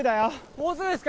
もうすぐですか？